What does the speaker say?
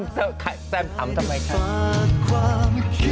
สแตมทำไมครับ